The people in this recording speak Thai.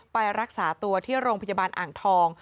ไปรักษาตัวที่โรงพยาบาลอ่างทอง